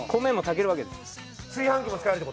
炊飯器も使えるって事？